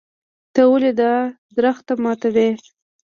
ته ولې دا درخت ماتوې.